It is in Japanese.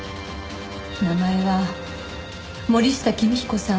名前は森下紀見彦さん。